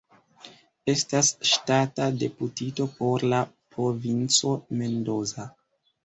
Estas ŝtata deputito por la Provinco Mendoza.